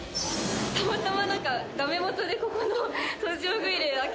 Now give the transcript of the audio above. たまたま。